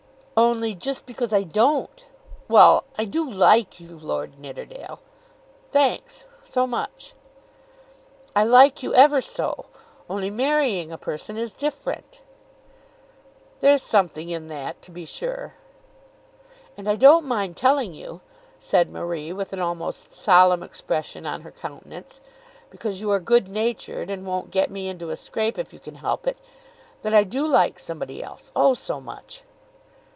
"Only, just because I don't. Well; I do like you, Lord Nidderdale." "Thanks; so much!" "I like you ever so, only marrying a person is different." "There's something in that to be sure." "And I don't mind telling you," said Marie with an almost solemn expression on her countenance, "because you are good natured and won't get me into a scrape if you can help it, that I do like somebody else; oh, so much."